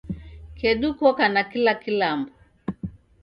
Kedu koka na kila kilambo